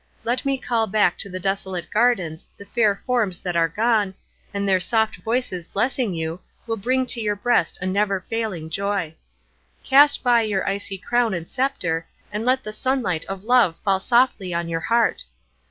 Let me call back to the desolate gardens the fair forms that are gone, and their soft voices blessing you will bring to your breast a never failing joy. Cast by your icy crown and sceptre, and let the sunlight of love fall softly on your heart.